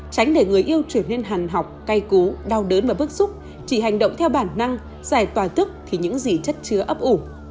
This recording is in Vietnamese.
tránh để người yêu trở nên hàn học cay cú đau đớn và bức xúc chỉ hành động theo bản năng giải tỏa thức thì những gì chất chứa ấp ủ